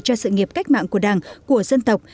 cho sự nghiệp cách mạng của đảng của dân tộc